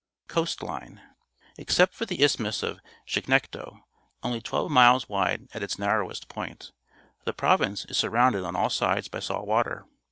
Coast line. — Except for the Isthmus of Cjiignecto, only twelve miles wide at its narrowest point, the province is surrounded on all sides by salt water.